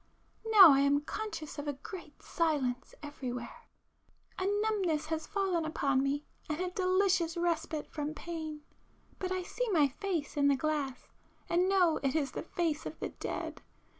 Now I am conscious of a great silence everywhere,—a numbness has fallen upon me, and a delicious respite from pain,—but I see my face in the glass and know it is the face of the dead.